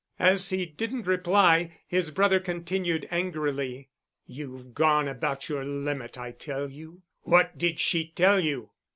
As he didn't reply, his brother continued angrily. "You've gone about your limit, I tell you. What did she tell you?"